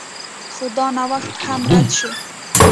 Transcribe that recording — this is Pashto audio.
خو دا نوښت هم رد شو